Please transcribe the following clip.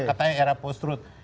katanya era post truth